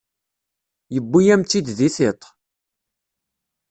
Yewwi-yam-tt-id di tiṭ.